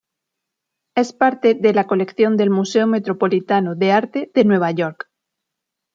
Es parte de la colección del Museo Metropolitano de Arte de Nueva York.